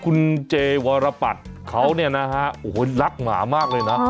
คุณเจวรปัตรเขาเนี่ยนะฮะโอ้โหรักหมามากเลยนะ